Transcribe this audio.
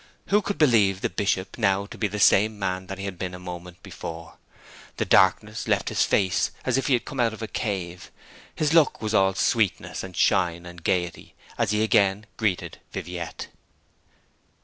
Who could believe the Bishop now to be the same man that he had been a moment before? The darkness left his face as if he had come out of a cave; his look was all sweetness, and shine, and gaiety, as he again greeted Viviette.